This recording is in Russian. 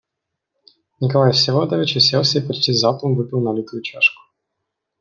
Николай Всеволодович уселся и почти залпом выпил налитую чашку.